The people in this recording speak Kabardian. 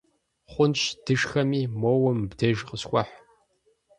Хъунщ дышхэми, моуэ мыбдеж къысхуэхь.